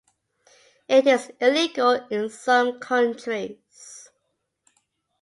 It is illegal in some countries.